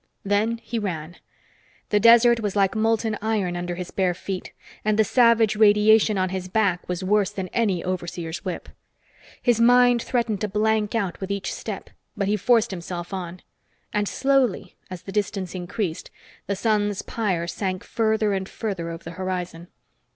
Then he ran. The desert was like molten iron under his bare feet, and the savage radiation on his back was worse than any overseer's whip. His mind threatened to blank out with each step, but he forced himself on. And slowly, as the distance increased, the sun's pyre sank further and further over the horizon.